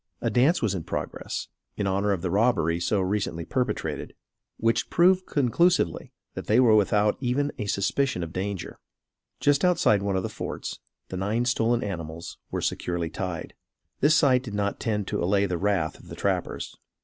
A dance was in progress in honor of the robbery so recently perpetrated, which proved conclusively, that they were without even a suspicion of danger. Just outside one of the forts, the nine stolen animals were securely tied. This sight did not tend to allay the wrath of the trappers.